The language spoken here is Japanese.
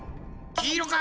きいろか？